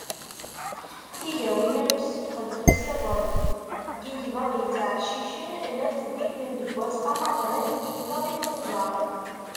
Tigawin-a n usefqed d usiḍen n yigḍaḍ yettɛeccicen, llant-d i lmend n wass amaḍalan n yigḍaḍ imhujar.